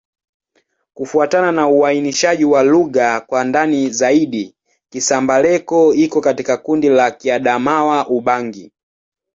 Kufuatana na uainishaji wa lugha kwa ndani zaidi, Kisamba-Leko iko katika kundi la Kiadamawa-Ubangi.